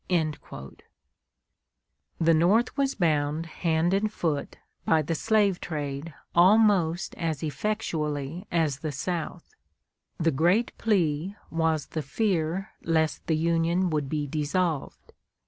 _" The North was bound hand and foot by the slave trade almost as effectually as the South. The great plea was the fear lest the Union would be dissolved.